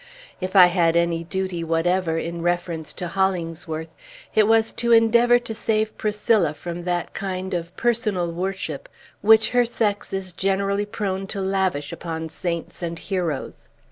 If I had any duty whatever, in reference to Hollingsworth, it was to endeavor to save Priscilla from that kind of personal worship which her sex is generally prone to lavish upon saints and heroes.